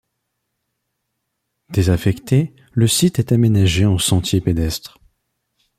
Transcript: Désaffecté, le site est aménagé en sentier pédestre.